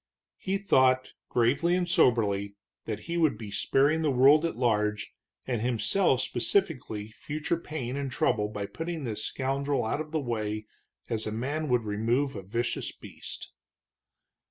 He thought, gravely and soberly, that he would be sparing the world at large, and himself specifically, future pain and trouble by putting this scoundrel out of the way as a man would remove a vicious beast.